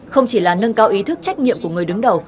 không chỉ là nâng cao ý thức trách nhiệm của người đứng đầu